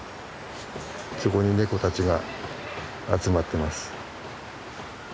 そこにネコたちが集まってます。